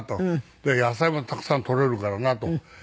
で野菜もたくさん取れるからなという事で。